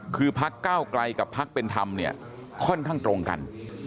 คือพักเก้าไกลกับพักเป็นธรรมเนี่ยค่อนข้างตรงกัน